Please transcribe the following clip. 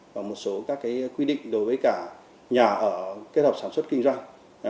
và một số các quy định đối với cả nhà ở kết hợp sản xuất kinh doanh